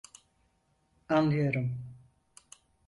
Anlıyorum!